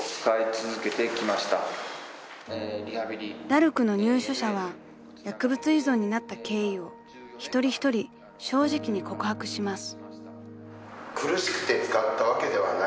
［ダルクの入所者は薬物依存になった経緯を一人一人正直に告白します］